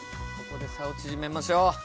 ここで差を縮めましょう。